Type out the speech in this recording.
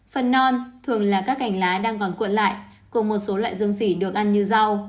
phần non thường là các cành lá đang còn cuộn lại cùng một số loại dương xỉ được ăn như rau